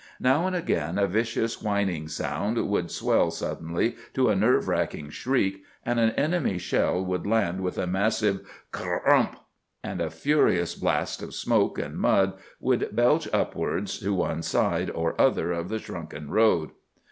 Now and again a vicious whining sound would swell suddenly to a nerve racking shriek, and an enemy shell would land with a massive cr r ump, and a furious blast of smoke and mud would belch upwards to one side or other of the sunken road.